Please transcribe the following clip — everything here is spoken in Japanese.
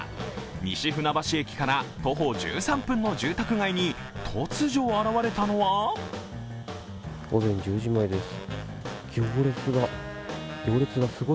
西船橋駅から徒歩１３分の住宅街に突如現れたのは午前１０時前です。